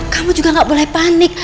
kamu juga gak boleh panik